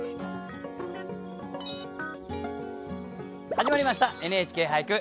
始まりました「ＮＨＫ俳句」。